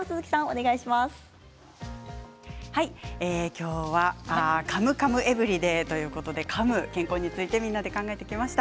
今日はカムカムエブリデイということでかむ健康についてみんなで考えてきました。